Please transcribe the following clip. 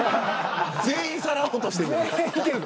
全員さらおうとしている。